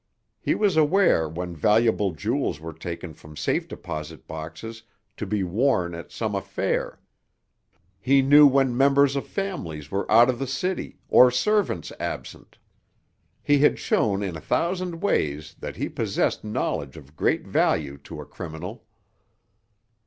He was aware when valuable jewels were taken from safe deposit boxes to be worn at some affair; he knew when members of families were out of the city, or servants absent. He had shown in a thousand ways that he possessed knowledge of great value to a criminal.